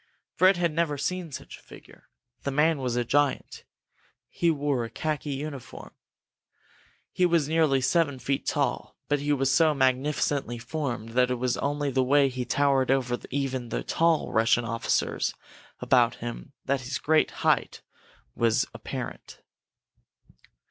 Fred, had never seen such a figure. The man was a giant. He wore a khaki uniform. He was nearly seven feet tall, but he was so magnificently formed that it was only the way he towered over even the tall Russian officers about him that his great height was apparent.